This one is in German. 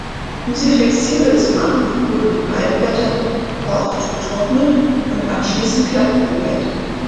Um sie flexibel zu machen, wurden die Palmblätter gekocht, getrocknet und anschließend glatt poliert.